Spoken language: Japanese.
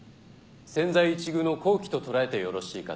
千載一遇の好機と捉えてよろしいかと。